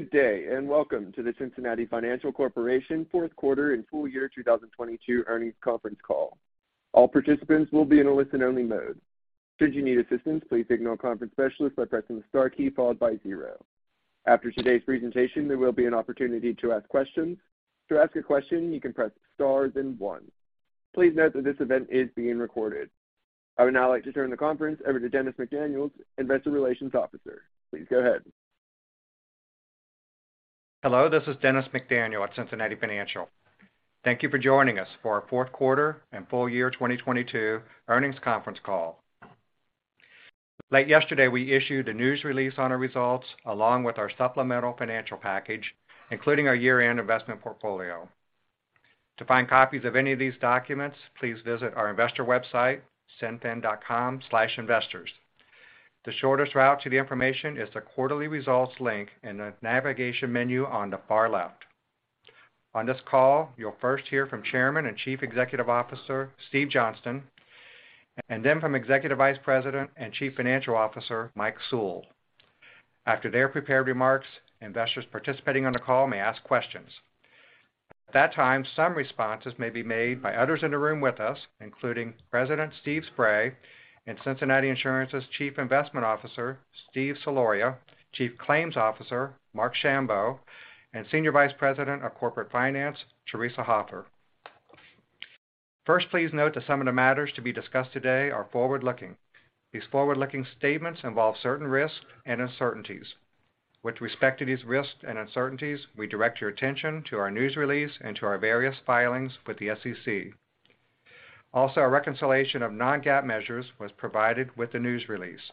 Good day, and welcome to the Cincinnati Financial Corporation fourth quarter and full year 2022 earnings conference call. All participants will be in a listen-only mode. Should you need assistance, please signal a conference specialist by pressing the star key followed by zero. After today's presentation, there will be an opportunity to ask questions. To ask a question, you can press star then one. Please note that this event is being recorded. I would now like to turn the conference over to Dennis McDaniel, Investor Relations Officer. Please go ahead. Hello, this is Dennis McDaniel at Cincinnati Financial. Thank you for joining us for our fourth quarter and full year 2022 earnings conference call. Late yesterday, we issued a news release on our results along with our supplemental financial package, including our year-end investment portfolio. To find copies of any of these documents, please visit our investor website, cinfin.com/investors. The shortest route to the information is the Quarterly Results link in the navigation menu on the far left. On this call, you'll first hear from Chairman and Chief Executive Officer Steven Johnston, and then from Executive Vice President and Chief Financial Officer Mike Sewell. After their prepared remarks, investors participating on the call may ask questions. At that time, some responses may be made by others in the room with us, including President Steve Spray and Cincinnati Insurance's Chief Investment Officer Steve Soloria, Chief Claims Officer Marc Schambow, and Senior Vice President of Corporate Finance Theresa Hoffer. Please note that some of the matters to be discussed today are forward-looking. These forward-looking statements involve certain risks and uncertainties. With respect to these risks and uncertainties, we direct your attention to our news release and to our various filings with the SEC. A reconciliation of non-GAAP measures was provided with the news release.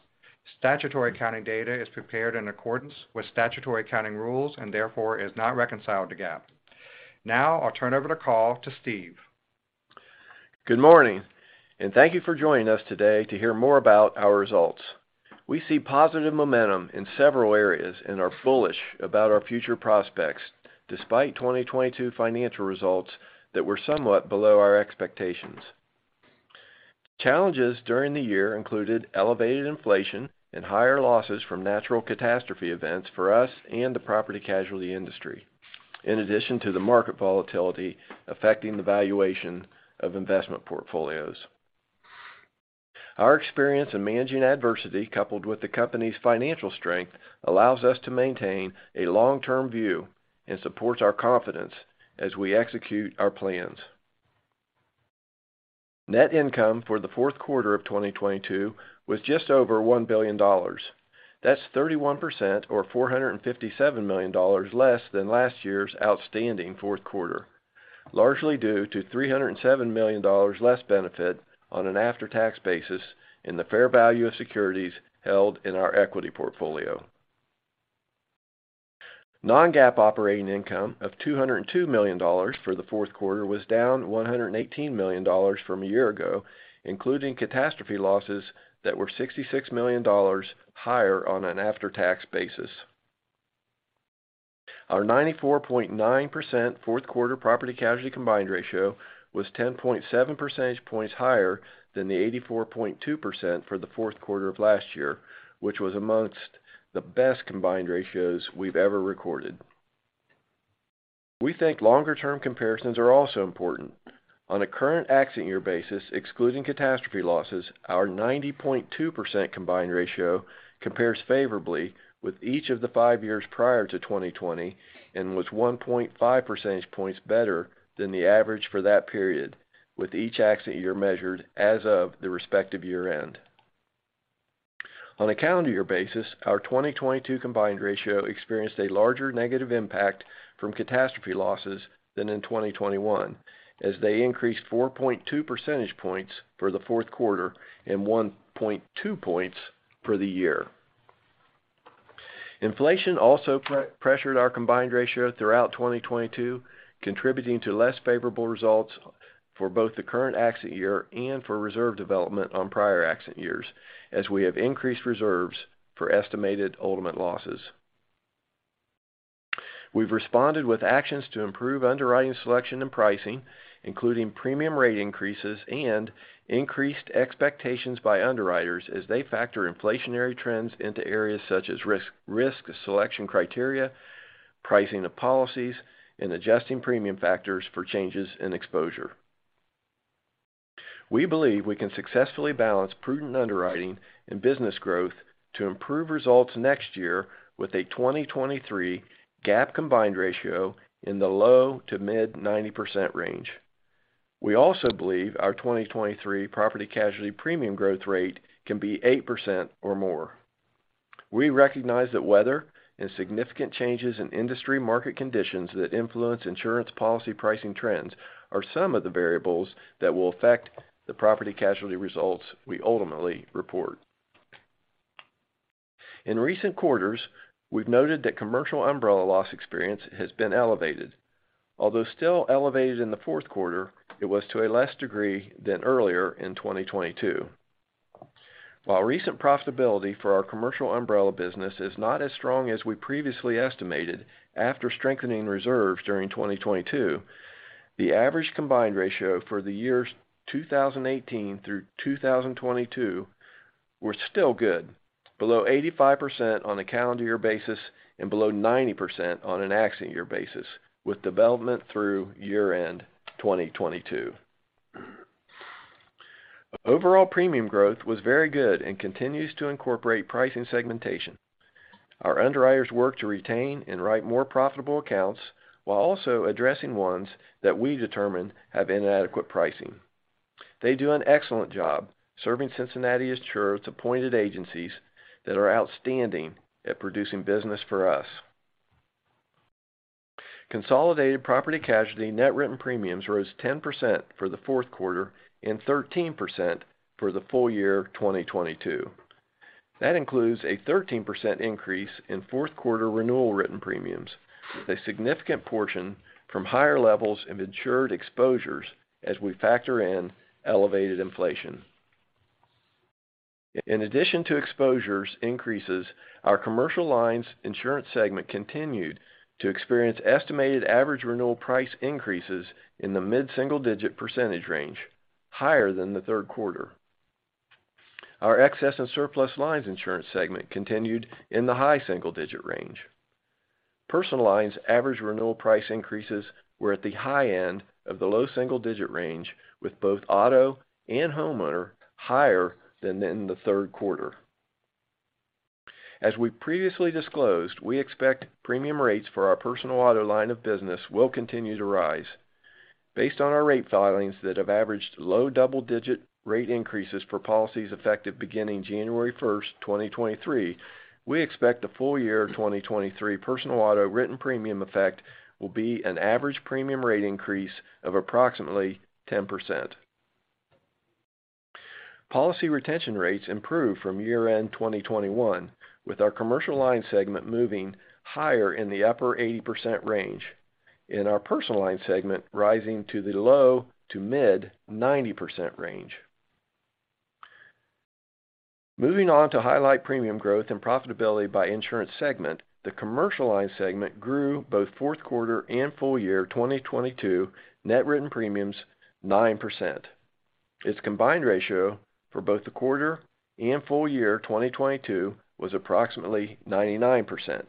Statutory accounting data is prepared in accordance with statutory accounting rules and therefore is not reconciled to GAAP. I'll turn over the call to Steve. Good morning, thank you for joining us today to hear more about our results. We see positive momentum in several areas and are bullish about our future prospects despite 2022 financial results that were somewhat below our expectations. Challenges during the year included elevated inflation and higher losses from natural catastrophe events for us and the property casualty industry, in addition to the market volatility affecting the valuation of investment portfolios. Our experience in managing adversity, coupled with the company's financial strength, allows us to maintain a long-term view and supports our confidence as we execute our plans. Net income for the fourth quarter of 2022 was just over $1 billion. That's 31% or $457 million less than last year's outstanding fourth quarter, largely due to $307 million less benefit on an after-tax basis in the fair value of securities held in our equity portfolio. Non-GAAP operating income of $202 million for the fourth quarter was down $118 million from a year ago, including catastrophe losses that were $66 million higher on an after-tax basis. Our 94.9% fourth quarter property casualty combined ratio was 10.7 percentage points higher than the 84.2% for the fourth quarter of last year, which was amongst the best combined ratios we've ever recorded. We think longer-term comparisons are also important. On a current accident year basis, excluding catastrophe losses, our 90.2% combined ratio compares favorably with each of the 5 years prior to 2020 and was 1.5 percentage points better than the average for that period, with each accident year measured as of the respective year-end. On a calendar year basis, our 2022 combined ratio experienced a larger negative impact from catastrophe losses than in 2021, as they increased 4.2 percentage points for the fourth quarter and 1.2 points for the year. Inflation also pre-pressured our combined ratio throughout 2022, contributing to less favorable results for both the current accident year and for reserve development on prior accident years, as we have increased reserves for estimated ultimate losses. We've responded with actions to improve underwriting selection and pricing, including premium rate increases and increased expectations by underwriters as they factor inflationary trends into areas such as risk selection criteria, pricing of policies, and adjusting premium factors for changes in exposure. We believe we can successfully balance prudent underwriting and business growth to improve results next year with a 2023 GAAP combined ratio in the low to mid 90% range. We also believe our 2023 property casualty premium growth rate can be 8% or more. We recognize that weather and significant changes in industry market conditions that influence insurance policy pricing trends are some of the variables that will affect the property casualty results we ultimately report. In recent quarters, we've noted that commercial umbrella loss experience has been elevated. Although still elevated in the fourth quarter, it was to a less degree than earlier in 2022. Recent profitability for our commercial umbrella business is not as strong as we previously estimated after strengthening reserves during 2022. The average combined ratio for the years 2018 through 2022 were still good, below 85% on a calendar year basis and below 90% on an accident year basis, with development through year-end 2022. Overall premium growth was very good and continues to incorporate pricing segmentation. Our underwriters work to retain and write more profitable accounts while also addressing ones that we determine have inadequate pricing. They do an excellent job serving Cincinnati Insurance’s appointed agencies that are outstanding at producing business for us. Consolidated property casualty net written premiums rose 10% for the fourth quarter and 13% for the full year of 2022. That includes a 13% increase in fourth quarter renewal written premiums, with a significant portion from higher levels of insured exposures as we factor in elevated inflation. In addition to exposures increases, our commercial lines insurance segment continued to experience estimated average renewal price increases in the mid-single digit % range, higher than the third quarter. Our excess and surplus lines insurance segment continued in the high single-digit range. Personal lines average renewal price increases were at the high end of the low single-digit range, with both auto and homeowner higher than in the third quarter. As we previously disclosed, we expect premium rates for our personal auto line of business will continue to rise. Based on our rate filings that have averaged low double-digit rate increases for policies effective beginning January 1, 2023, we expect the full year 2023 personal auto written premium effect will be an average premium rate increase of approximately 10%. Policy retention rates improved from year-end 2021, with our commercial line segment moving higher in the upper 80% range, and our personal line segment rising to the low to mid 90% range. Moving on to highlight premium growth and profitability by insurance segment, the commercial line segment grew both fourth quarter and full year 2022 net written premiums 9%. Its combined ratio for both the quarter and full year 2022 was approximately 99%.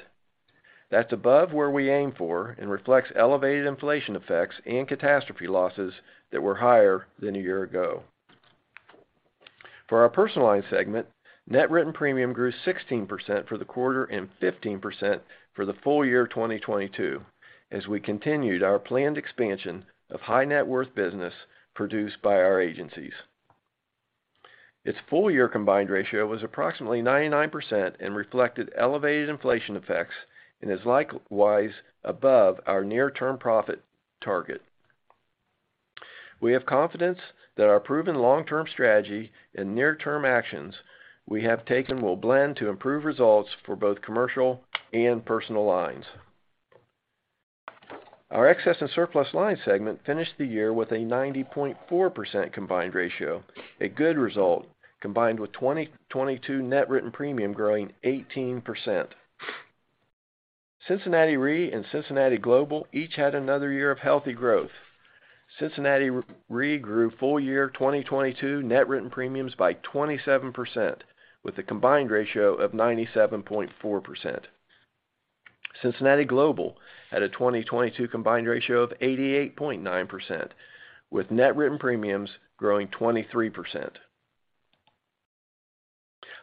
That's above where we aim for and reflects elevated inflation effects and catastrophe losses that were higher than a year ago. For our personal line segment, net written premium grew 16% for the quarter and 15% for the full year of 2022 as we continued our planned expansion of high net worth business produced by our agencies. Its full year combined ratio was approximately 99% and reflected elevated inflation effects and is likewise above our near-term profit target. We have confidence that our proven long-term strategy and near-term actions we have taken will blend to improve results for both commercial and personal lines. Our excess and surplus line segment finished the year with a 90.4% combined ratio, a good result combined with 2022 net written premium growing 18%. Cincinnati Re and Cincinnati Global each had another year of healthy growth. Cincinnati Re grew full year 2022 net written premiums by 27% with a combined ratio of 97.4%. Cincinnati Global had a 2022 combined ratio of 88.9% with net written premiums growing 23%.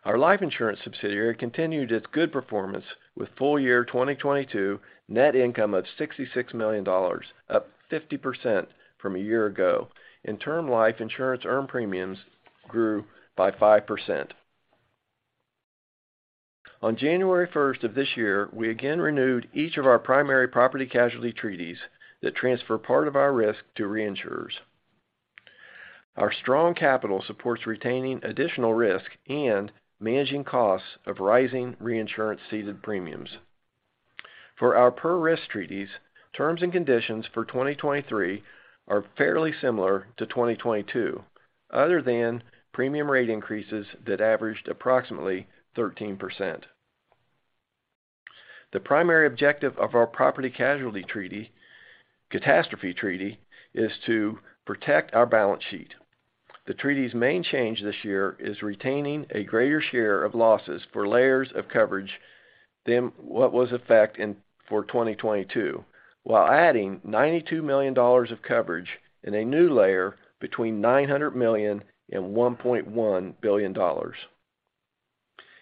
Our life insurance subsidiary continued its good performance with full year 2022 net income of $66 million, up 50% from a year ago, and term life insurance earned premiums grew by 5%. On January 1st of this year, we again renewed each of our primary property casualty treaties that transfer part of our risk to reinsurers. Our strong capital supports retaining additional risk and managing costs of rising reinsurance ceded premiums. For our per risk treaties, terms and conditions for 2023 are fairly similar to 2022, other than premium rate increases that averaged approximately 13%. The primary objective of our property casualty treaty, catastrophe treaty is to protect our balance sheet. The treaty's main change this year is retaining a greater share of losses for layers of coverage than what was effect in, for 2022, while adding $92 million of coverage in a new layer between $900 million and $1.1 billion.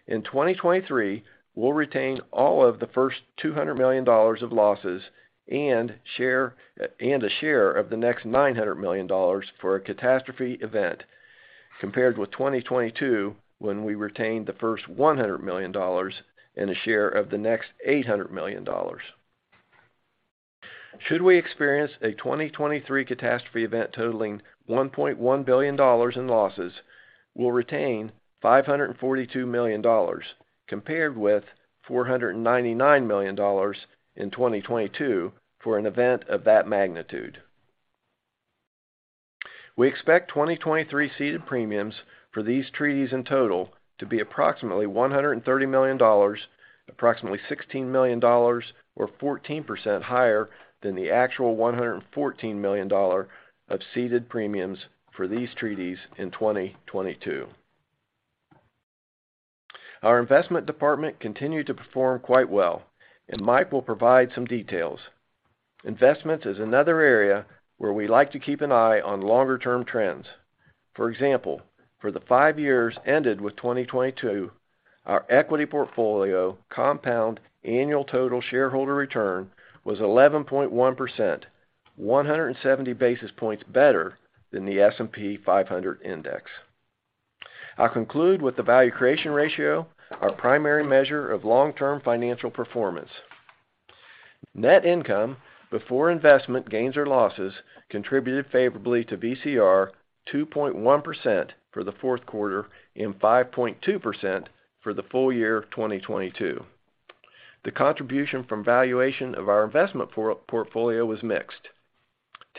In 2023, we'll retain all of the first $200 million of losses and a share of the next $900 million for a catastrophe event, compared with 2022 when we retained the first $100 million and a share of the next $800 million. Should we experience a 2023 catastrophe event totaling $1.1 billion in losses, we'll retain $542 million compared with $499 million in 2022 for an event of that magnitude. We expect 2023 ceded premiums for these treaties in total to be approximately $130 million, approximately $16 million or 14% higher than the actual $114 million dollar of ceded premiums for these treaties in 2022. Our investment department continued to perform quite well. Mike will provide some details. Investments is another area where we like to keep an eye on longer-term trends. For example, for the five years ended with 2022, our equity portfolio compound annual total shareholder return was 11.1%, 170 basis points better than the S&P 500 index. I'll conclude with the value creation ratio, our primary measure of long-term financial performance. Net income before investment gains or losses contributed favorably to VCR 2.1% for the fourth quarter and 5.2% for the full year of 2022. The contribution from valuation of our investment portfolio was mixed.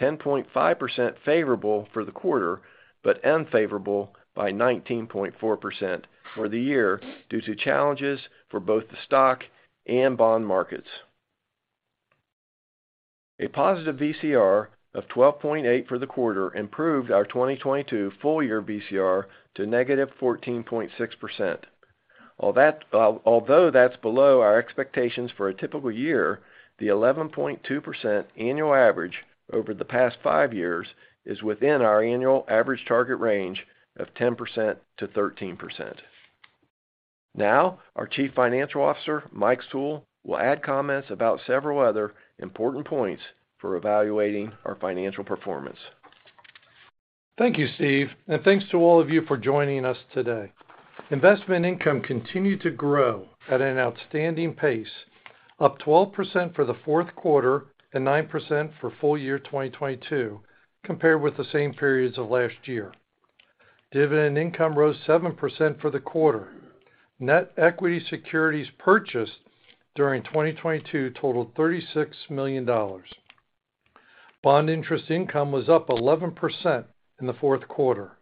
10.5% favorable for the quarter, but unfavorable by 19.4% for the year due to challenges for both the stock and bond markets. A positive VCR of 12.8% for the quarter improved our 2022 full year VCR to negative 14.6%. Although that's below our expectations for a typical year, the 11.2% annual average over the past five years is within our annual average target range of 10%-13%. Now, our Chief Financial Officer, Mike Sewell, will add comments about several other important points for evaluating our financial performance. Thank you, Steve. Thanks to all of you for joining us today. Investment income continued to grow at an outstanding pace, up 12% for the fourth quarter and 9% for full year 2022, compared with the same periods of last year. Dividend income rose 7% for the quarter. Net equity securities purchased during 2022 totaled $36 million. Bond interest income was up 11% in the fourth quarter.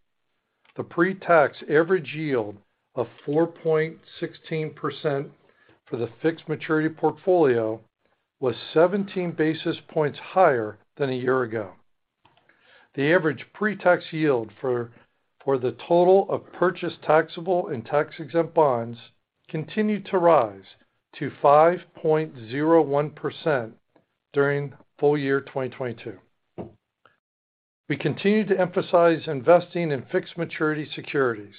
The pretax average yield of 4.16% for the fixed maturity portfolio was 17 basis points higher than a year ago. The average pretax yield for the total of purchased taxable and tax-exempt bonds continued to rise to 5.01% during full year 2022. We continued to emphasize investing in fixed maturity securities,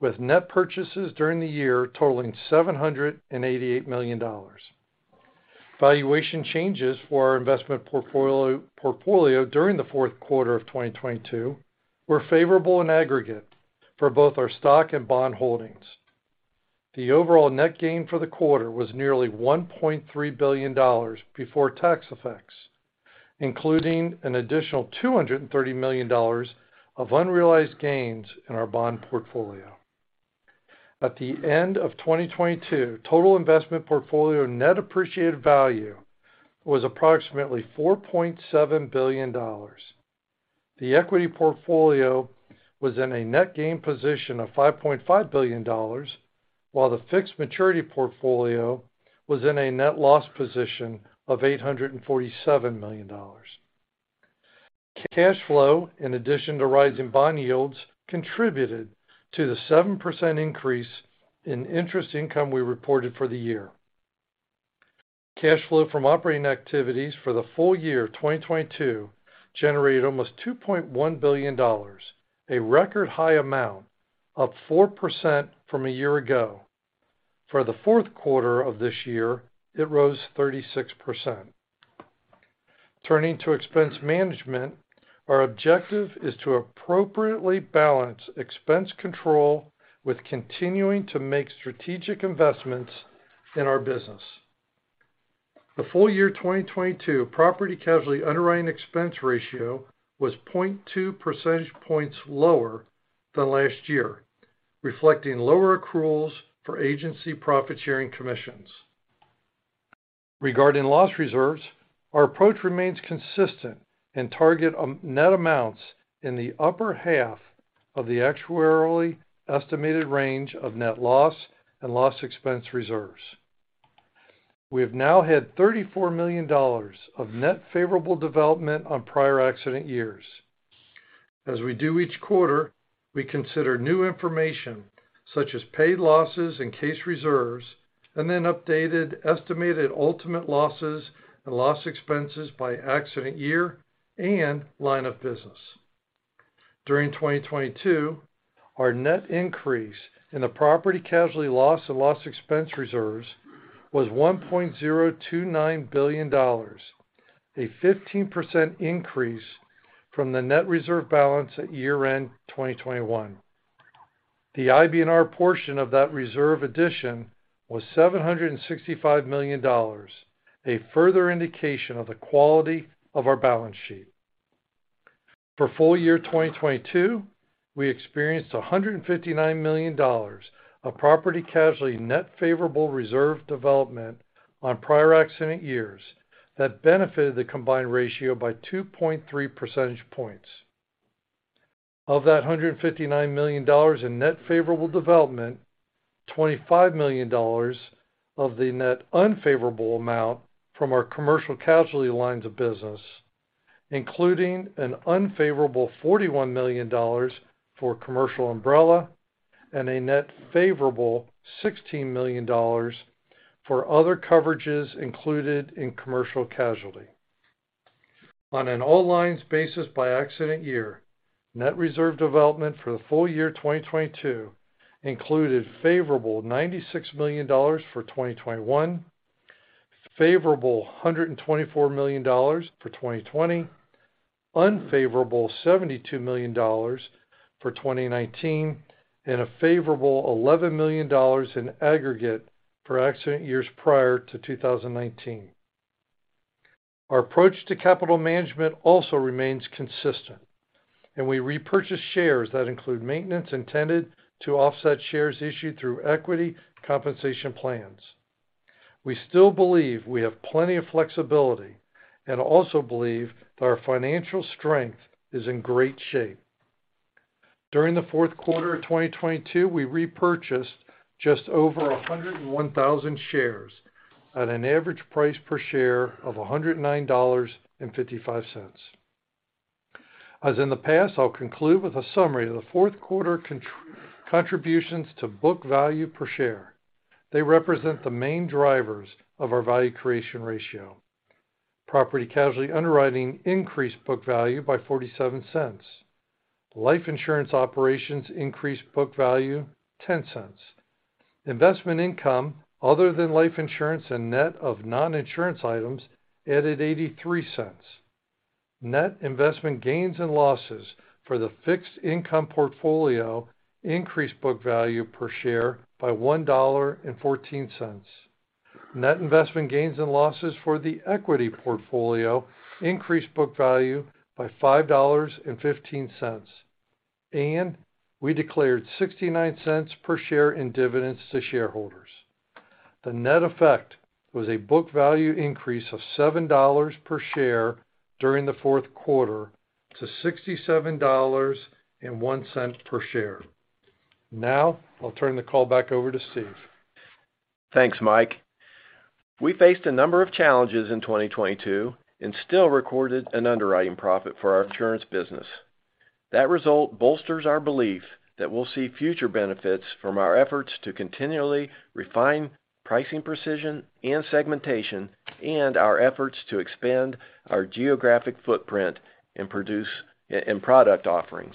with net purchases during the year totaling $788 million. Valuation changes for our investment portfolio during the fourth quarter of 2022 were favorable in aggregate for both our stock and bond holdings. The overall net gain for the quarter was nearly $1.3 billion before tax effects, including an additional $230 million of unrealized gains in our bond portfolio. At the end of 2022, total investment portfolio net appreciated value was approximately $4.7 billion. The equity portfolio was in a net gain position of $5.5 billion, while the fixed maturity portfolio was in a net loss position of $847 million. Cash flow, in addition to rising bond yields, contributed to the 7% increase in interest income we reported for the year. Cash flow from operating activities for the full year of 2022 generated almost $2.1 billion, a record high amount, up 4% from a year ago. For the fourth quarter of this year, it rose 36%. Turning to expense management, our objective is to appropriately balance expense control with continuing to make strategic investments in our business. The full year 2022 property casualty underwriting expense ratio was 0.2 percentage points lower than last year, reflecting lower accruals for agency profit-sharing commissions. Regarding loss reserves, our approach remains consistent and target net amounts in the upper half of the actuarially estimated range of net loss and loss expense reserves. We have now had $34 million of net favorable development on prior accident years. As we do each quarter, we consider new information such as paid losses and case reserves, and then updated estimated ultimate losses and loss expenses by accident year and line of business. During 2022, our net increase in the property casualty loss and loss expense reserves was $1.029 billion, a 15% increase from the net reserve balance at year-end 2021. The IBNR portion of that reserve addition was $765 million, a further indication of the quality of our balance sheet. For full year 2022, we experienced $159 million of property casualty net favorable reserve development on prior accident years that benefited the combined ratio by 2.3 percentage points. Of that $159 million in net favorable development, $25 million of the net unfavorable amount from our commercial casualty lines of business, including an unfavorable $41 million for commercial umbrella and a net favorable $16 million for other coverages included in commercial casualty. On an all lines basis by accident year, net reserve development for the full year 2022 included favorable $96 million for 2021, favorable $124 million for 2020, unfavorable $72 million for 2019, and a favorable $11 million in aggregate for accident years prior to 2019. Our approach to capital management also remains consistent. We repurchase shares that include maintenance intended to offset shares issued through equity compensation plans. We still believe we have plenty of flexibility and also believe that our financial strength is in great shape. During the fourth quarter of 2022, we repurchased just over 101,000 shares at an average price per share of $109.55. As in the past, I'll conclude with a summary of the fourth quarter contributions to book value per share. They represent the main drivers of our value creation ratio. Property casualty underwriting increased book value by $0.47. Life insurance operations increased book value $0.10. Investment income other than life insurance and net of non-insurance items added $0.83. Net investment gains and losses for the fixed income portfolio increased book value per share by $1.14. Net investment gains and losses for the equity portfolio increased book value by $5.15. We declared $0.69 per share in dividends to shareholders. The net effect was a book value increase of $7 per share during the fourth quarter to $67.01 per share. I'll turn the call back over to Steve. Thanks, Mike. We faced a number of challenges in 2022 and still recorded an underwriting profit for our insurance business. That result bolsters our belief that we'll see future benefits from our efforts to continually refine pricing precision and segmentation and our efforts to expand our geographic footprint in product offerings.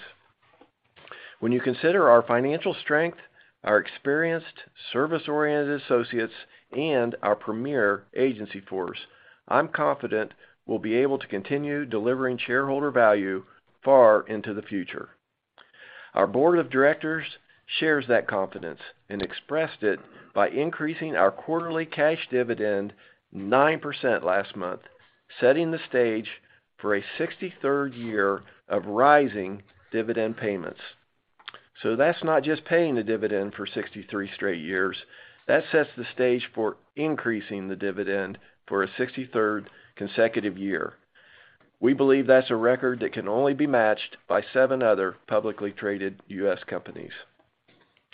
When you consider our financial strength, our experienced service-oriented associates, and our premier agency force, I'm confident we'll be able to continue delivering shareholder value far into the future. Our board of directors shares that confidence and expressed it by increasing our quarterly cash dividend 9% last month, setting the stage for a 63rd year of rising dividend payments. That's not just paying the dividend for 63 straight years, that sets the stage for increasing the dividend for a 63rd consecutive year. We believe that's a record that can only be matched by seven other publicly traded U.S. companies.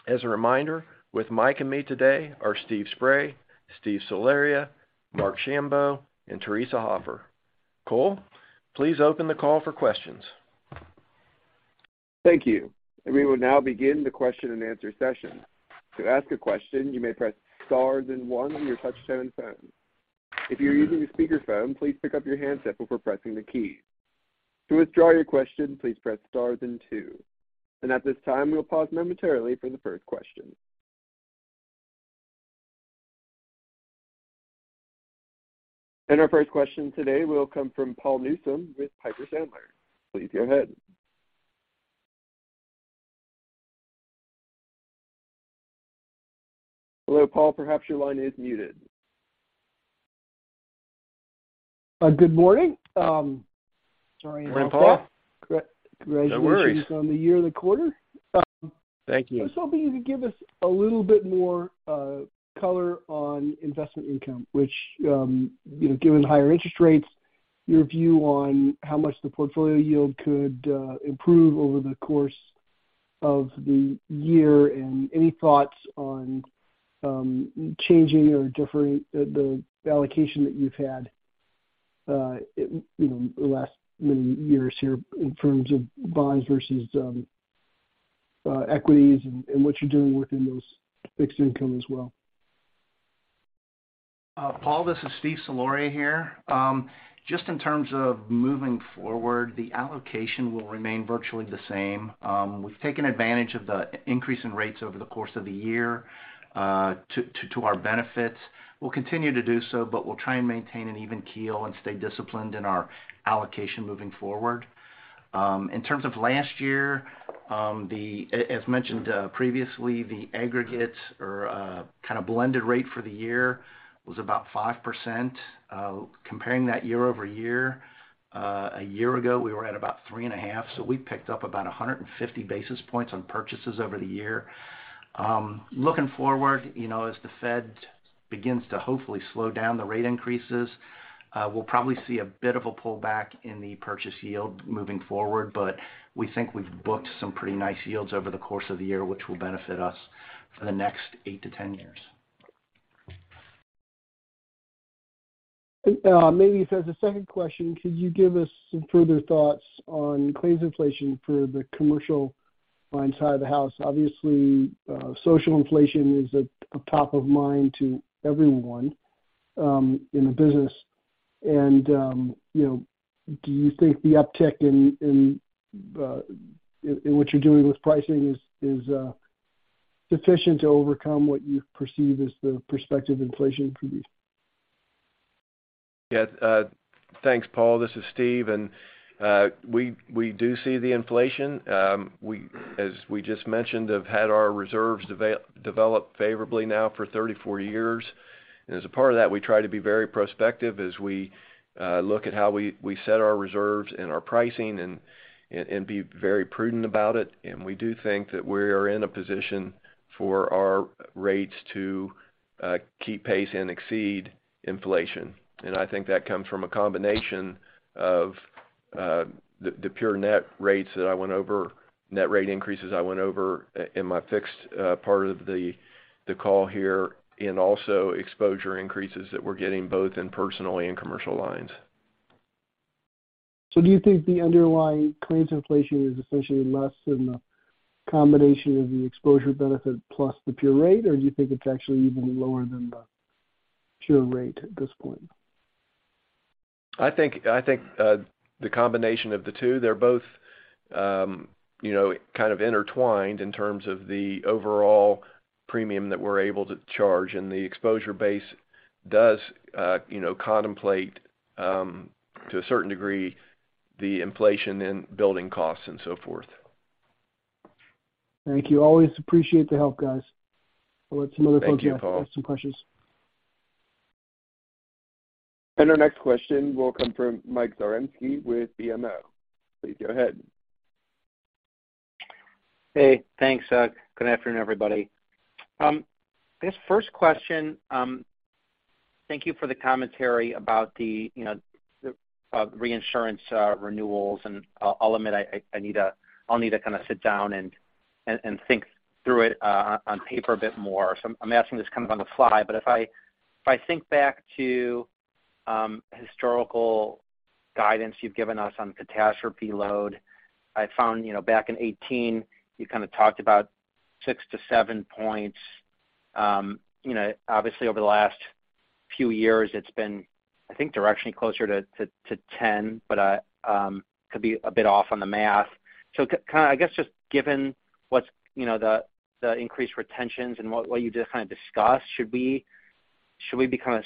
As a reminder, with Mike and me today are Steve Spray, Steve Soloria, Marc Schambow, and Theresa Hoffer. Cole, please open the call for questions. Thank you. We will now begin the question-and-answer session. To ask a question, you may press star then one on your touch-tone phone. If you're using a speakerphone, please pick up your handset before pressing the key. To withdraw your question, please press star then two. At this time, we'll pause momentarily for the first question. Our first question today will come from Paul Newsome with Piper Sandler. Please go ahead. Hello, Paul. Perhaps your line is muted. Good morning. Sorry about that. Morning, Paul. Congratulations- No worries. on the year and the quarter. Thank you. I was hoping you could give us a little bit more, color on investment income, which, you know, given the higher interest rates, your view on how much the portfolio yield could improve over the course of the year, and any thoughts on changing or differing the allocation that you've had, you know, the last many years here in terms of bonds versus equities and what you're doing within those fixed income as well. Paul, this is Steve Soloria here. Just in terms of moving forward, the allocation will remain virtually the same. We've taken advantage of the increase in rates over the course of the year, to our benefit. We'll continue to do so, but we'll try and maintain an even keel and stay disciplined in our allocation moving forward. In terms of last year, as mentioned, previously, the aggregate or, kinda blended rate for the year was about 5%. Comparing that year-over-year. A year ago, we were at about 3.5. We picked up about 150 basis points on purchases over the year. Looking forward, you know, as the Fed begins to hopefully slow down the rate increases, we'll probably see a bit of a pullback in the purchase yield moving forward, but we think we've booked some pretty nice yields over the course of the year, which will benefit us for the next 8 to 10 years. Maybe as a second question, could you give us some further thoughts on claims inflation for the commercial side of the house? Obviously, social inflation is at top of mind to everyone in the business. You know, do you think the uptick in what you're doing with pricing is sufficient to overcome what you perceive as the prospective inflation increase? Yeah. Thanks, Paul. This is Steve. We do see the inflation. We, as we just mentioned, have had our reserves develop favorably now for 34 years. As a part of that, we try to be very prospective as we look at how we set our reserves and our pricing and be very prudent about it. We do think that we are in a position for our rates to keep pace and exceed inflation. I think that comes from a combination of the pure net rates that I went over, net rate increases I went over in my fixed part of the call here, and also exposure increases that we're getting both in personal and commercial lines. Do you think the underlying claims inflation is essentially less than the combination of the exposure benefit plus the pure rate, or do you think it's actually even lower than the pure rate at this point? I think, the combination of the two, they're both, you know, kind of intertwined in terms of the overall premium that we're able to charge. The exposure base does, you know, contemplate, to a certain degree, the inflation and building costs and so forth. Thank you. Always appreciate the help, guys. I'll let some other folks ask- Thank you, Paul. some questions. Our next question will come from Mike Zarembski with BMO. Please go ahead. Hey, thanks, good afternoon, everybody. I guess first question, thank you for the commentary about the, you know, the reinsurance renewals. I'll admit, I need to. I'll need to kind of sit down and think through it on paper a bit more. I'm asking this kind of on the fly. If I think back to historical guidance you've given us on catastrophe load, I found, you know, back in 2018, you kind of talked about 6-7 points. You know, obviously, over the last few years, it's been, I think, directionally closer to 10, but I could be a bit off on the math. Kind of, I guess, just given what's, you know, the increased retentions and what you just kind of discussed, should we be kind of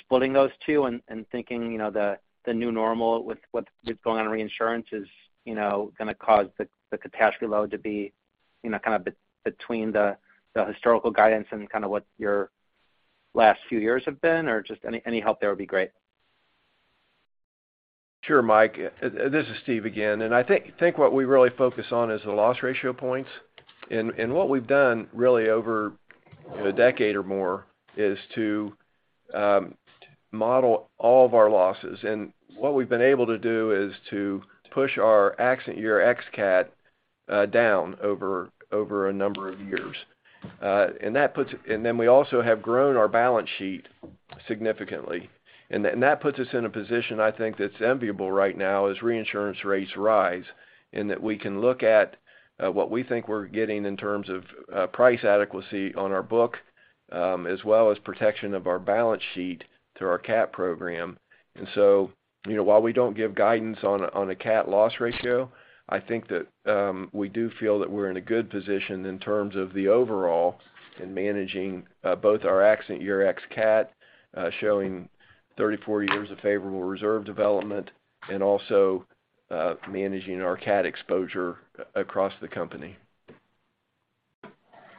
splitting those two and thinking, you know, the new normal with what's going on in reinsurance is, you know, gonna cause the catastrophe load to be, you know, kind of between the historical guidance and kind of what your last few years have been? Just any help there would be great. Sure, Mike. This is Steve again. I think what we really focus on is the loss ratio points. What we've done really over, you know, a decade or more is to model all of our losses. What we've been able to do is to push our accident year ex-cat down over a number of years. Then we also have grown our balance sheet significantly. That puts us in a position I think that's enviable right now as reinsurance rates rise in that we can look at what we think we're getting in terms of price adequacy on our book, as well as protection of our balance sheet through our cat program. you know, while we don't give guidance on a, on a cat loss ratio, I think that, we do feel that we're in a good position in terms of the overall in managing, both our accident year ex-cat, showing 34 years of favorable reserve development and also, managing our cat exposure across the company.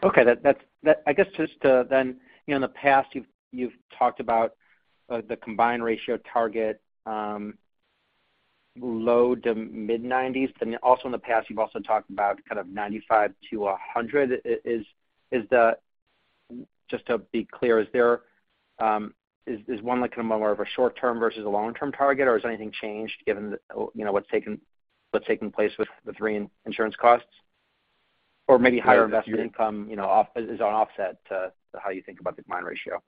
Okay. That, I guess, just to, you know, in the past you've talked about the combined ratio target, low to mid 90s. Also in the past you've also talked about kind of 95 to 100. Just to be clear, is there, is one like kind of more of a short term versus a long term target, or has anything changed given, you know, what's taken place with the reinsurance costs? Or maybe higher investment income, you know, offset to how you think about the combined ratio.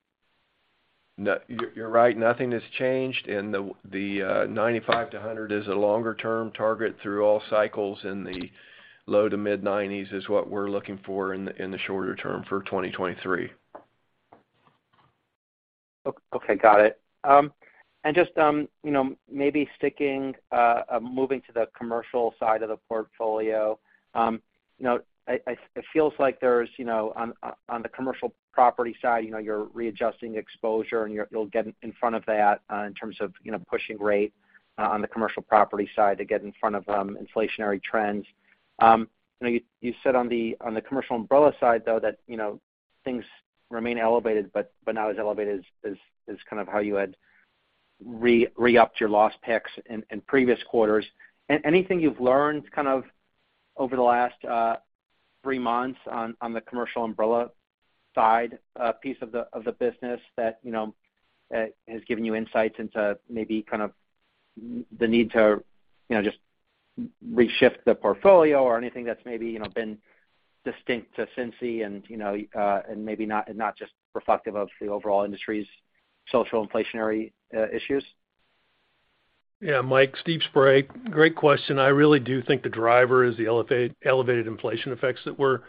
No, you're right. Nothing has changed. The 95 to 100 is a longer term target through all cycles, and the low to mid 90s is what we're looking for in the shorter term for 2023. Okay, got it. Just, you know, maybe sticking, moving to the commercial side of the portfolio, you know, I. It feels like there's, you know, on the commercial property side, you know, you're readjusting exposure and you'll get in front of that, in terms of, you know, pushing rate on the commercial property side to get in front of inflationary trends. You know, you said on the, on the commercial umbrella side, though, that, you know. Things remain elevated, but not as elevated as kind of how you had reepped your loss picks in previous quarters. Anything you've learned kind of over the last three months on the commercial umbrella side, piece of the, of the business that, you know, has given you insights into maybe kind of the need to, you know, just re-shift the portfolio or anything that's maybe, you know, been distinct to Cincy and, you know, and maybe not, and not just reflective of the overall industry's social inflationary issues? Yeah. Mike, Steve Spray. Great question. I really do think the driver is the elevated inflation effects that we're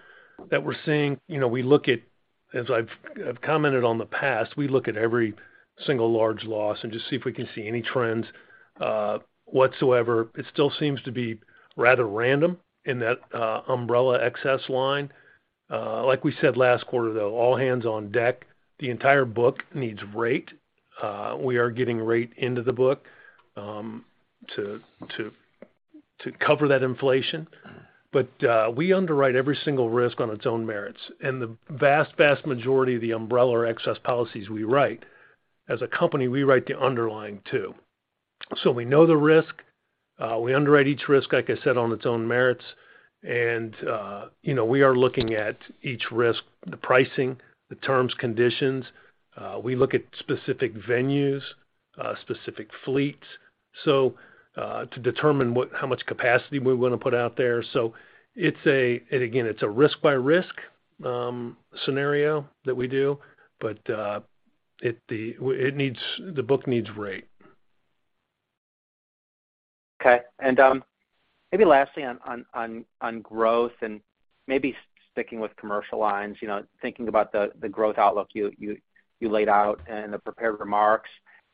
seeing. You know, as I've commented on the past, we look at every single large loss and just see if we can see any trends whatsoever. It still seems to be rather random in that umbrella excess line. Like we said last quarter, though, all hands on deck. The entire book needs rate. We are getting rate into the book to cover that inflation. We underwrite every single risk on its own merits. The vast majority of the umbrella or excess policies we write, as a company, we write the underlying too. We know the risk. We underwrite each risk, like I said, on its own merits. You know, we are looking at each risk, the pricing, the terms, conditions. We look at specific venues, specific fleets, so to determine how much capacity we want to put out there. It's and again, it's a risk-by-risk scenario that we do. The book needs rate. Okay. Maybe lastly on growth and maybe sticking with commercial lines, you know, thinking about the growth outlook you laid out in the prepared remarks.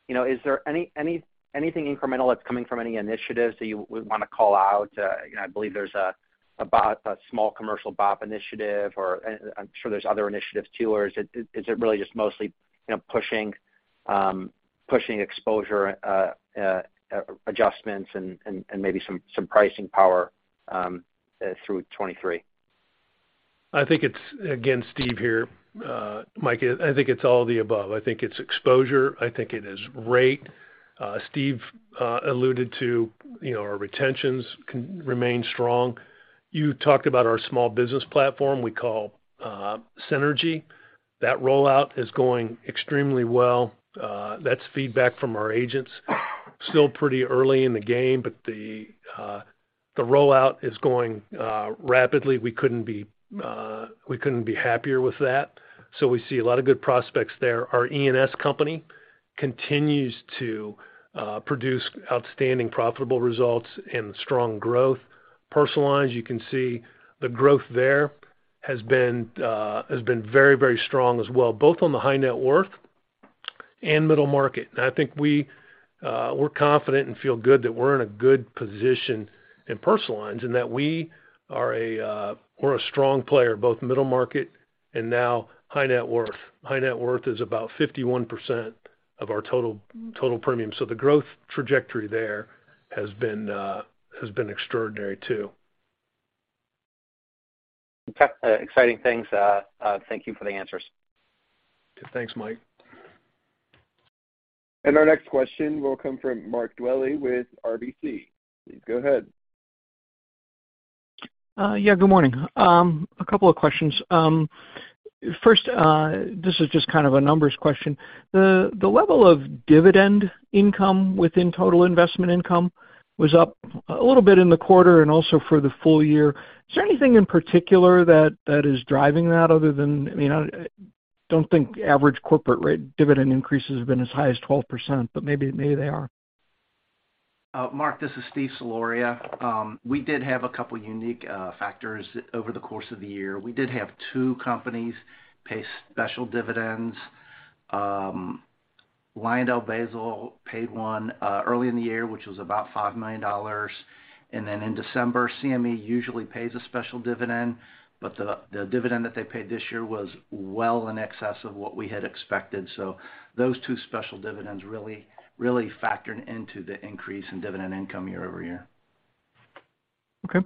You know, is there anything incremental that's coming from any initiatives that you would wanna call out? You know, I believe there's a small commercial BOP initiative or, and I'm sure there's other initiatives too, or is it really just mostly, you know, pushing exposure adjustments and maybe some pricing power through 2023? Again, Steve here. Mike, I think it's all of the above. I think it's exposure. I think it is rate. Steve alluded to, you know, our retentions remain strong. You talked about our small business platform we call Synergy. That rollout is going extremely well. That's feedback from our agents. Still pretty early in the game, the rollout is going rapidly. We couldn't be happier with that. We see a lot of good prospects there. Our E&S company continues to produce outstanding profitable results and strong growth. Personal lines, you can see the growth there has been very strong as well, both on the high net worth and middle market. I think we're confident and feel good that we're in a good position in personal lines, and that we are a, we're a strong player, both middle market and now high net worth. High net worth is about 51% of our total premium. The growth trajectory there has been extraordinary too. Okay. Exciting things. Thank you for the answers. Thanks, Mike. Our next question will come from Mark Dwelle with RBC. Please go ahead. Yeah, good morning. A couple of questions. First, this is just kind of a numbers question. The level of dividend income within total investment income was up a little bit in the quarter and also for the full year. Is there anything in particular that is driving that other than, I mean, I don't think average corporate rate dividend increases have been as high as 12%, but maybe they are. Mark, this is Steve Soloria. We did have a couple unique factors over the course of the year. We did have two companies pay special dividends. LyondellBasell paid one early in the year, which was about $5 million. In December, CME usually pays a special dividend, but the dividend that they paid this year was well in excess of what we had expected. Those two special dividends really factored into the increase in dividend income year-over-year. Okay.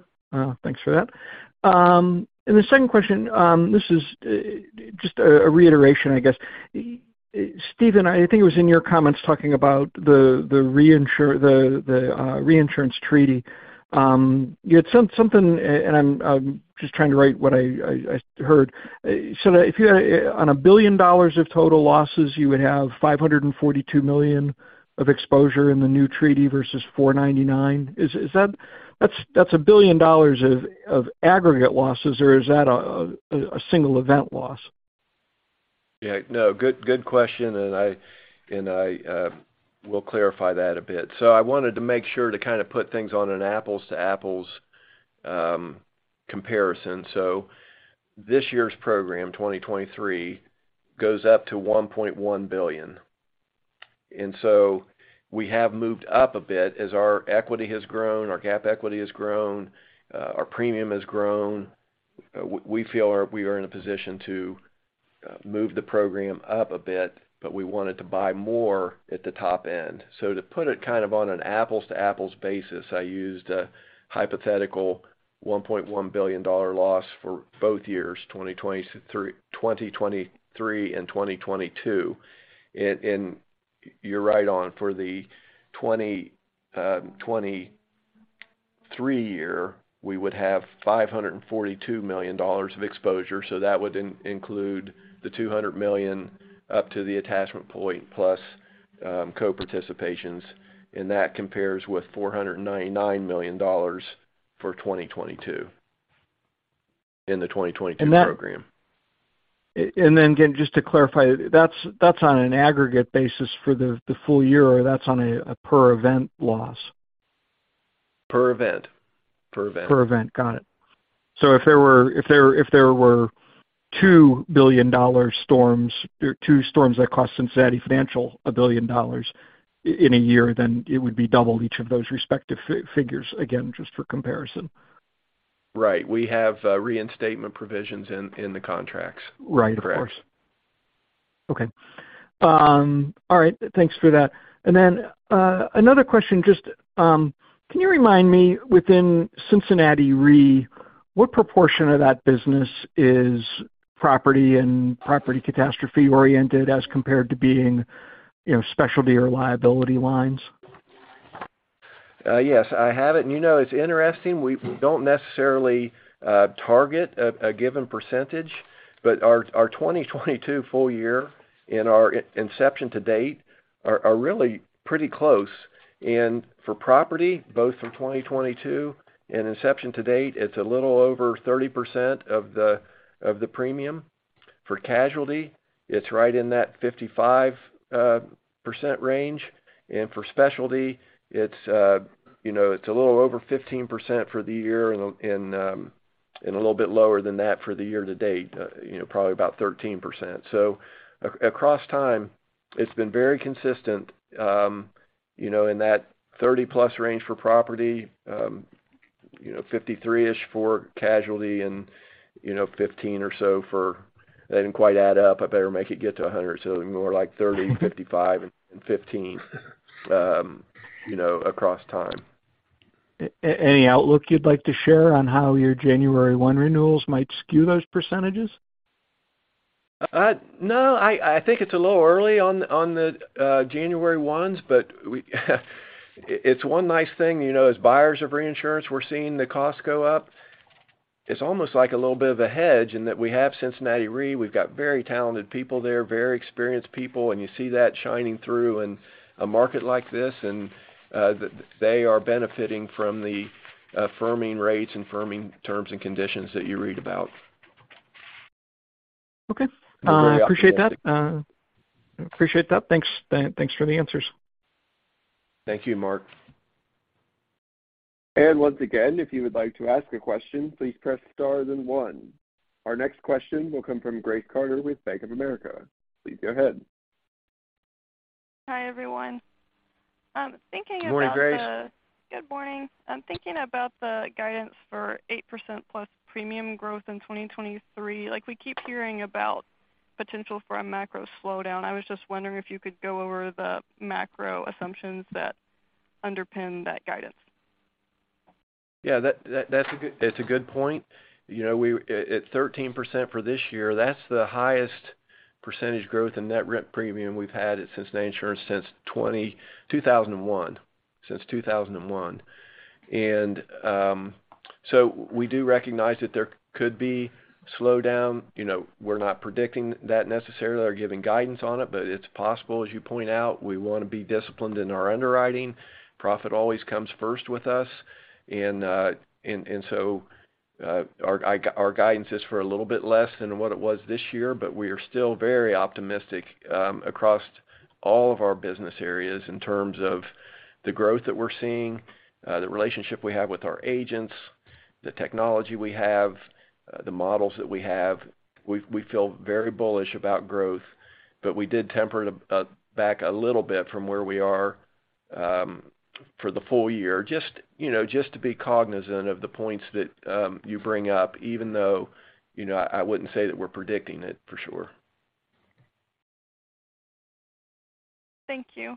Thanks for that. The second question, this is just a reiteration, I guess. Stephen, I think it was in your comments talking about the reinsurance treaty. You had something, and I'm just trying to write what I heard. If you're on $1 billion of total losses, you would have $542 million of exposure in the new treaty versus $499. Is that $1 billion of aggregate losses, or is that a single event loss? Yeah. No, good question, and I, and I will clarify that a bit. I wanted to make sure to kind of put things on an apples to apples comparison. This year's program, 2023, goes up to $1.1 billion. We have moved up a bit. As our equity has grown, our GAAP equity has grown, our premium has grown, we feel we are in a position to move the program up a bit, but we wanted to buy more at the top end. To put it kind of on an apples to apples basis, I used a hypothetical $1.1 billion loss for both years, 2023 and 2022. You're right on. For the 2023 year, we would have $542 million of exposure, so that would include the $200 million up to the attachment point, plus co-participations. That compares with $499 million for 2022 in the 2022 program. Again, just to clarify, that's on an aggregate basis for the full year, or that's on a per event loss? Per event. Per event. Got it. If there were 2 billion dollar storms or 2 storms that cost Cincinnati Financial $1 billion in a year, it would be double each of those respective figures, again, just for comparison. Right. We have reinstatement provisions in the contracts. Right. Of course. Correct. Okay. All right. Thanks for that. Another question, just, can you remind me, within Cincinnati Re, what proportion of that business is property and property catastrophe oriented as compared to being, you know, specialty or liability lines? Yes, I have it. You know, it's interesting, we don't necessarily target a given percentage, but our 2022 full year and our inception to date are really pretty close. For property, both from 2022 and inception to date, it's a little over 30% of the premium. For casualty, it's right in that 55% range. For specialty, it's, you know, it's a little over 15% for the year and a little bit lower than that for the year to date, you know, probably about 13%. Across time, it's been very consistent, you know, in that 30-plus range for property, you know, 53-ish for casualty and, you know, 15 or so for... That didn't quite add up. I better make it get to 100. more like 30, 55, and 15, you know, across time. Any outlook you'd like to share on how your January 1 renewals might skew those percentages? No, I think it's a little early on the January ones, but it's one nice thing, you know, as buyers of reinsurance, we're seeing the costs go up. It's almost like a little bit of a hedge in that we have Cincinnati Re. We've got very talented people there, very experienced people, and you see that shining through in a market like this. They are benefiting from the firming rates and firming terms and conditions that you read about. Okay. Very optimistic. appreciate that. Thanks for the answers. Thank you, Mark. Once again, if you would like to ask a question, please press star then one. Our next question will come from Grace Carter with Bank of America. Please go ahead. Hi, everyone. I'm thinking about the- Good morning, Grace. Good morning. I'm thinking about the guidance for 8%+ premium growth in 2023. Like, we keep hearing about potential for a macro slowdown. I was just wondering if you could go over the macro assumptions that underpin that guidance? Yeah, that's a good point. You know, at 13% for this year, that's the highest percentage growth in net written premium we've had at Cincinnati Insurance since 2001. Since 2001. We do recognize that there could be slowdown. You know, we're not predicting that necessarily or giving guidance on it, but it's possible. As you point out, we wanna be disciplined in our underwriting. Profit always comes first with us. Our guidance is for a little bit less than what it was this year, but we are still very optimistic across all of our business areas in terms of the growth that we're seeing, the relationship we have with our agents, the technology we have, the models that we have. We feel very bullish about growth, but we did temper it a back a little bit from where we are for the full year, you know, just to be cognizant of the points that you bring up, even though, you know, I wouldn't say that we're predicting it for sure. Thank you.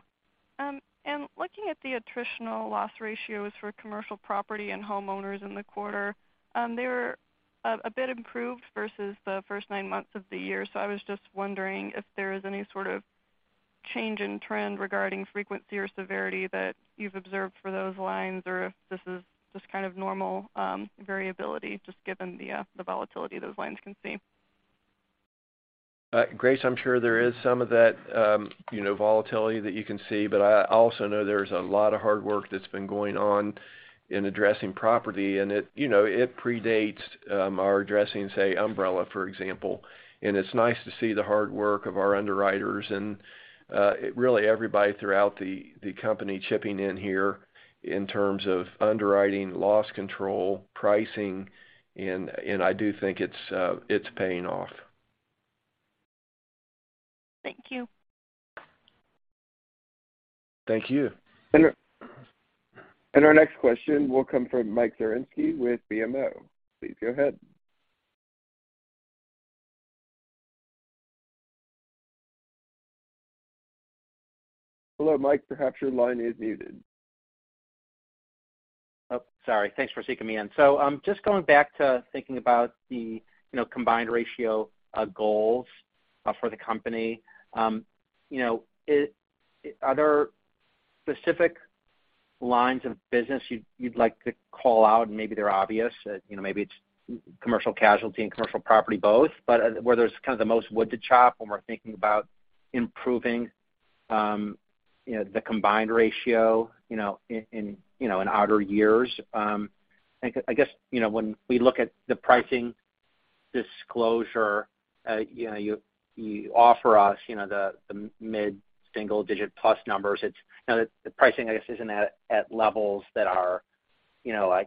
Looking at the attritional loss ratios for commercial property and homeowners in the quarter, they were a bit improved versus the first nine months of the year. I was just wondering if there is any sort of change in trend regarding frequency or severity that you've observed for those lines or if this is just kind of normal variability, just given the volatility those lines can see. Grace, I'm sure there is some of that, you know, volatility that you can see, but I also know there's a lot of hard work that's been going on in addressing property, and it, you know, it predates, our addressing, say, umbrella, for example, and it's nice to see the hard work of our underwriters and, really everybody throughout the company chipping in here in terms of underwriting, loss control, pricing, and I do think it's paying off. Thank you. Thank you. Our next question will come from Mike Zaremski with BMO. Please go ahead. Hello, Mike. Perhaps your line is muted. Sorry. Thanks for sneaking me in. Just going back to thinking about the, you know, combined ratio goals for the company, you know, are there specific lines of business you'd like to call out? Maybe they're obvious, you know, maybe it's commercial casualty and commercial property both, but where there's kind of the most wood to chop when we're thinking about improving, you know, the combined ratio, you know, in, you know, in outer years. I guess, you know, when we look at the pricing disclosure, you know, you offer us, you know, the mid single-digit plus numbers. It's... The pricing, I guess, isn't at levels that are, you know, I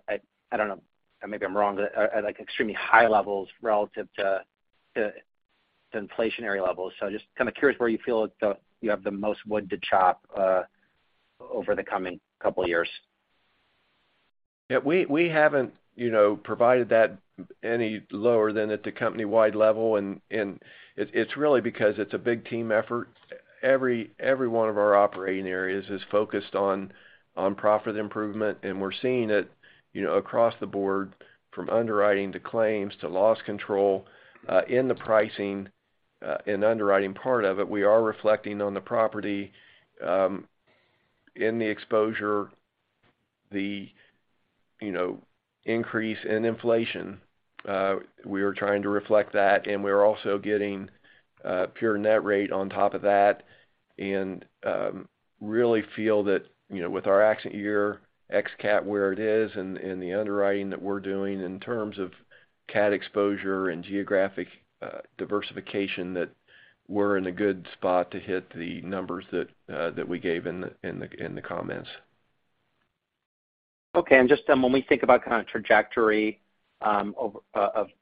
don't know, maybe I'm wrong, but at, like, extremely high levels relative to the inflationary levels. Just kind of curious where you feel the, you have the most wood to chop over the coming couple of years. Yeah. We haven't, you know, provided that any lower than at the company-wide level, it's really because it's a big team effort. Every one of our operating areas is focused on profit improvement, and we're seeing it, you know, across the board from underwriting to claims to loss control, in the pricing, in the underwriting part of it. We are reflecting on the property, in the exposure, you know, increase in inflation. We are trying to reflect that, and we're also getting pure net rate on top of that and really feel that, you know, with our accident year ex-cat where it is and the underwriting that we're doing in terms of cat exposure and geographic diversification, that we're in a good spot to hit the numbers that we gave in the comments. Okay. Just when we think about kind of trajectory of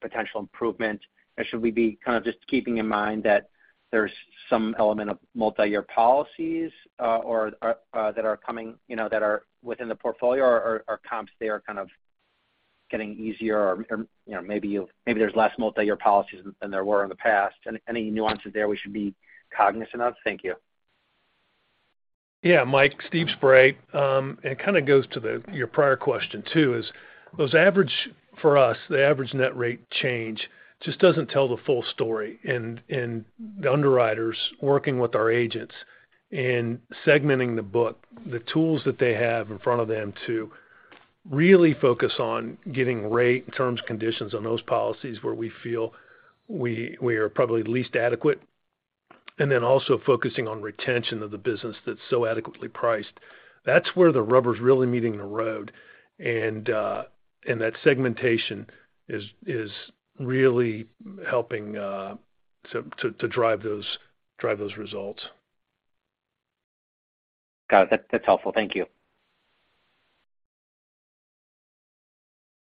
potential improvement, should we be kind of just keeping in mind that there's some element of multi-year policies or that are coming, you know, that are within the portfolio, or are comps there kind of getting easier or, you know, maybe there's less multi-year policies than there were in the past. Any nuances there we should be cognizant of? Thank you. Yeah, Mike, Steve Spray. It kind of goes to your prior question too, is for us, the average net rate change just doesn't tell the full story. The underwriters working with our agents and segmenting the book, the tools that they have in front of them to really focus on getting rate, terms, conditions on those policies where we feel we are probably least adequate. Then also focusing on retention of the business that's so adequately priced. That's where the rubber is really meeting the road. That segmentation is really helping to drive those results. Got it. That's helpful. Thank you.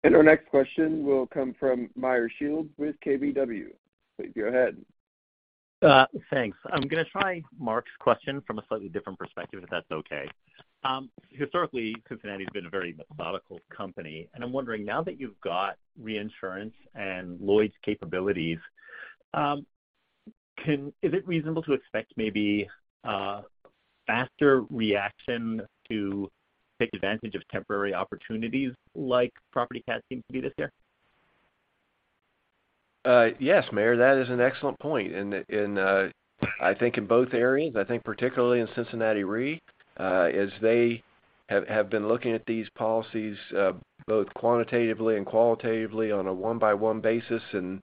Our next question will come from Meyer Shields with KBW. Please go ahead. Thanks. I'm gonna try Mark's question from a slightly different perspective, if that's okay. Historically, Cincinnati has been a very methodical company. I'm wondering now that you've got reinsurance and Lloyd's capabilities, is it reasonable to expect maybe a faster reaction to take advantage of temporary opportunities like property cat seems to be this year? Yes, Meyer, that is an excellent point. I think in both areas, I think particularly in Cincinnati Re, as they have been looking at these policies, both quantitatively and qualitatively on a one-by-one basis and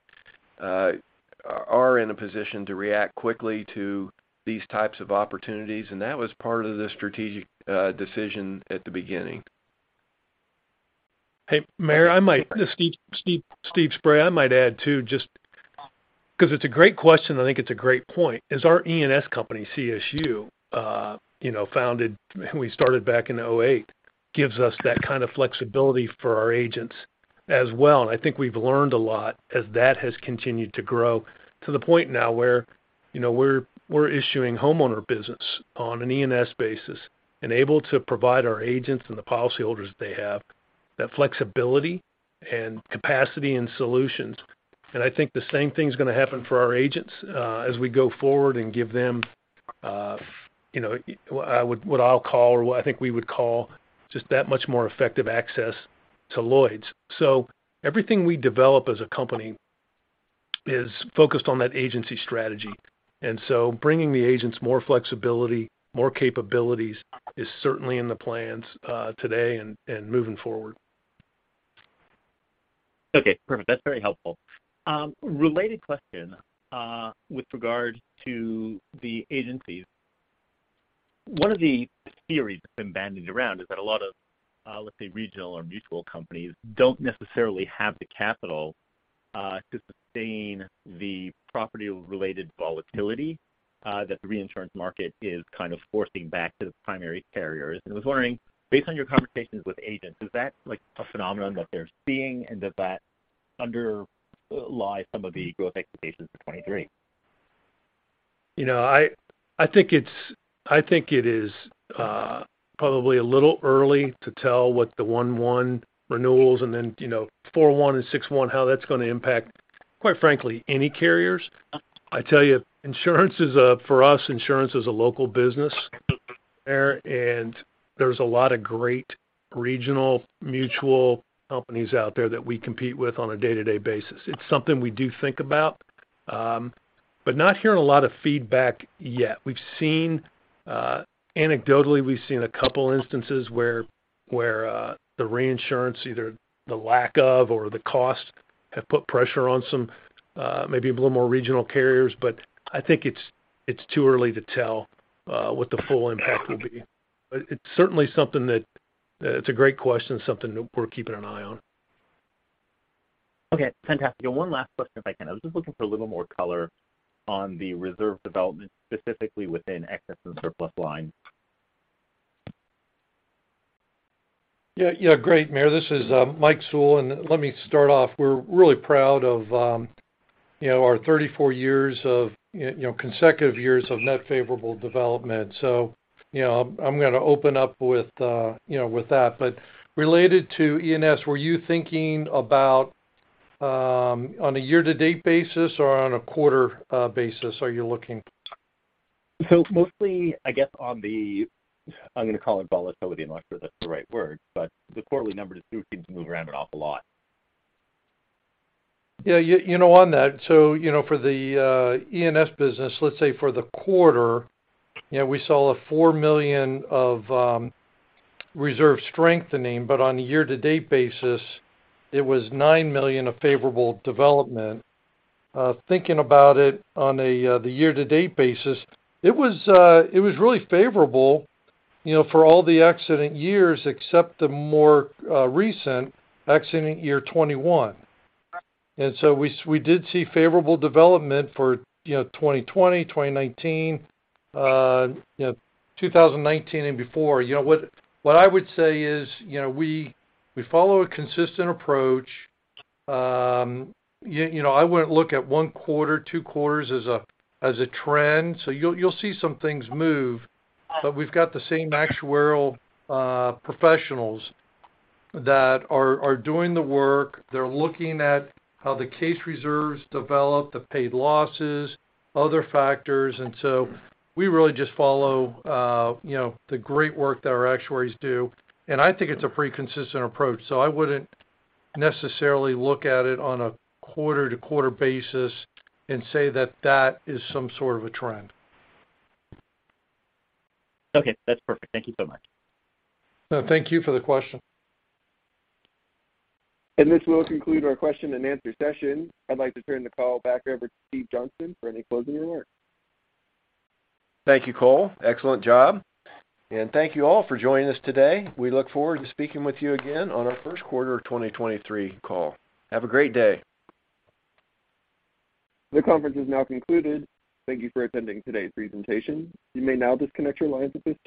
are in a position to react quickly to these types of opportunities. That was part of the strategic decision at the beginning. Hey, Meyer. This is Steve Spray. I might add too, just because it's a great question, I think it's a great point, is our E&S company, CSU, you know, founded when we started back in 2008, gives us that kind of flexibility for our agents as well. I think we've learned a lot as that has continued to grow to the point now where, you know, we're issuing homeowner business on an E&S basis and able to provide our agents and the policyholders they have that flexibility and capacity and solutions. I think the same thing's gonna happen for our agents as we go forward and give them, you know, what I'll call or what I think we would call just that much more effective access to Lloyd's. Everything we develop as a company is focused on that agency strategy. Bringing the agents more flexibility, more capabilities is certainly in the plans today and moving forward. Okay, perfect. That's very helpful. Related question, with regard to the agencies. One of the theories that's been bandied around is that a lot of, let's say, regional or mutual companies don't necessarily have the capital to sustain the property related volatility that the reinsurance market is kind of forcing back to the primary carriers. I was wondering, based on your conversations with agents, is that, like, a phenomenon that they're seeing and does that underlie some of the growth expectations for 23? You know, I think it is, probably a little early to tell what the 1/1 renewals and then, you know, 4/1 and 6/1, how that's gonna impact. Quite frankly, any carriers. I tell you, insurance is a for us, insurance is a local business there's a lot of great regional mutual companies out there that we compete with on a day-to-day basis. It's something we do think about, but not hearing a lot of feedback yet. We've seen, anecdotally, we've seen a couple instances where, the reinsurance, either the lack of or the cost, have put pressure on some, maybe a little more regional carriers. I think it's too early to tell what the full impact will be. It's certainly something that. It's a great question, something that we're keeping an eye on. Okay. Fantastic. One last question if I can? I was just looking for a little more color on the reserve development, specifically within excess and surplus line. Yeah, great, Meyer. This is Mike Sewell, and let me start off. We're really proud of, you know, our 34 years of, you know, consecutive years of net favorable development. You know, I'm gonna open up with, you know, with that. Related to E&S, were you thinking about on a year-to-date basis or on a quarter basis, are you looking? Mostly, I guess, I'm gonna call it volatility, I'm not sure that's the right word, but the quarterly numbers do seem to move around an awful lot. You, you know, on that, so, you know, for the E&S business, let's say for the quarter, you know, we saw $4 million of reserve strengthening, but on a year-to-date basis, it was $9 million of favorable development. Thinking about it on a the year-to-date basis, it was really favorable, you know, for all the accident years except the more recent accident year 2021. We did see favorable development for, you know, 2020, 2019, you know, 2019 and before. You know what I would say is, you know, we follow a consistent approach. You, you know, I wouldn't look at one quarter, two quarters as a, as a trend. You'll, you'll see some things move, but we've got the same actuarial professionals that are doing the work. They're looking at how the case reserves develop, the paid losses, other factors. We really just follow, you know, the great work that our actuaries do, and I think it's a pretty consistent approach. I wouldn't necessarily look at it on a quarter-to-quarter basis and say that that is some sort of a trend. Okay, that's perfect. Thank you so much. No, thank you for the question. This will conclude our question and answer session. I'd like to turn the call back over to Steven Johnston for any closing remarks. Thank you, Cole. Excellent job. Thank you all for joining us today. We look forward to speaking with you again on our first quarter of 2023 call. Have a great day. This conference is now concluded. Thank you for attending today's presentation. You may now disconnect your lines at this time.